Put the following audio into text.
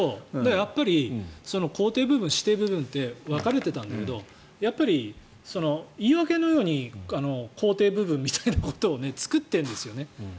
やっぱり公邸部分私邸部分って分かれてたんだけどやっぱり言い訳のように公邸部分みたいなことを作っているんですよね。